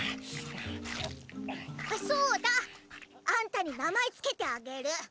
そーだ！あんたになまえつけてあげる！